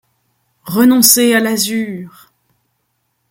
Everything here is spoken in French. Renoncez à l'azur !